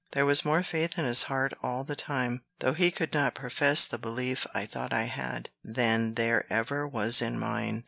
There was more faith in his heart all the time, though he could not profess the belief I thought I had, than there ever was in mine.